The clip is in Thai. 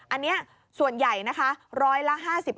อันนี้ส่วนใหญ่นะคะร้อยละ๕๕